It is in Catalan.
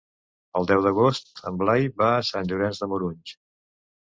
El deu d'agost en Blai va a Sant Llorenç de Morunys.